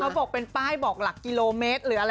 เขาบอกเป็นป้ายบอกหลักกิโลเมตร